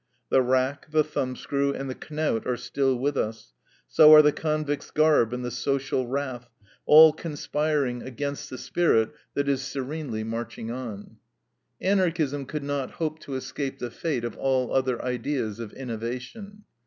The rack, the thumbscrew, and the knout are still with us; so are the convict's garb and the social wrath, all conspiring against the spirit that is serenely marching on. Anarchism could not hope to escape the fate of all other ideas of innovation.